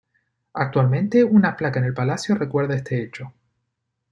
Actualmente, una placa en el Palacio recuerda este hecho.